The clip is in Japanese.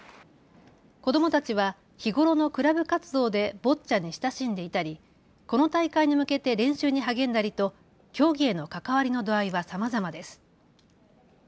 子どもたちは日頃のクラブ活動でボッチャに親しんでいたりこの大会に向けて練習に励んだりと競技への関わりの度合いはさまざまです。